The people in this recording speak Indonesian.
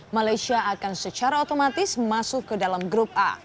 malaysia akan secara otomatis masuk ke dalam grup a